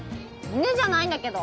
犬じゃないんだけど！